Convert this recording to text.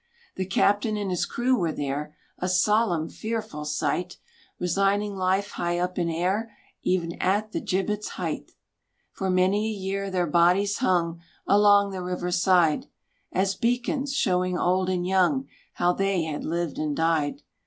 The captain and his crew were there, A solemn, fearful sight; Resigning life high up in air, E'en at the gibbet's height! For many a year their bodies hung Along the river side; As beacons, showing old and young How they had lived and died.